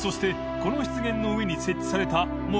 この湿原の上に設置された敍